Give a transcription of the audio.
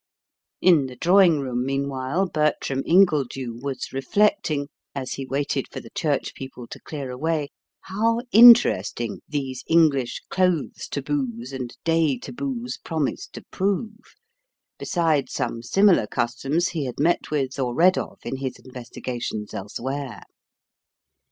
In the drawing room, meanwhile, Bertram Ingledew was reflecting, as he waited for the church people to clear away, how interesting these English clothes taboos and day taboos promised to prove, beside some similar customs he had met with or read of in his investigations elsewhere.